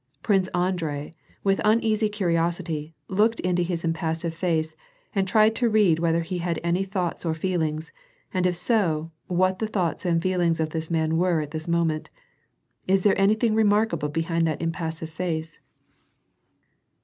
Prince Andrei, with uneasy curiosity looked into his impassive face, and tried to read whether he had any thoughts or feelings, and if so, what the thoughts and feelings of this man were at this moment. " Is there anything remark able behind that impassive face